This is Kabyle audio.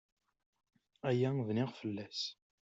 Aya bniɣ fell-as!